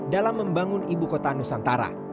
dalam membangun ibu kota nusantara